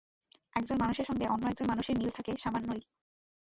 একজন মানুষের সঙ্গে অন্য একজন মানুষের মিল থাকে সামান্যই।